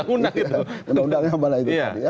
undang undang yang mana itu tadi ya